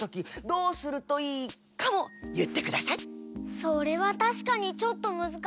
それはたしかにちょっとむずかしいなあ。